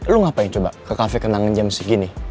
lu ngapain coba ke kafe kena ngenjam segini